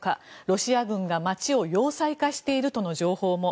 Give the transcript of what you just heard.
ロシア軍が街を要塞化しているとの情報も。